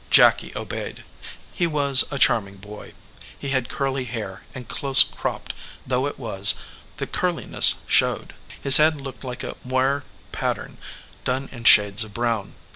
Jacky obeyed. He was a charming boy. He had curly hair, and, close cropped though it was, the curliness showed. His head looked like a moire pattern done in shades of brown.